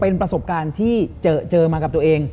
เป็นประสบการณ์ที่เจอมากับตัวเอง